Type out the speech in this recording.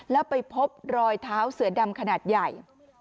แล้วไปพบรอยเท้าเสือดำขนาดใหญ่